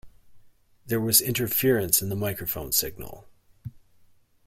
There was interference in the microphone signal.